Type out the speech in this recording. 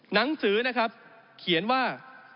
หนังสือนะครับเขียนว่า